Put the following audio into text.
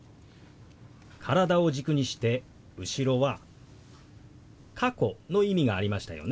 体を軸にして後ろは「過去」の意味がありましたよね。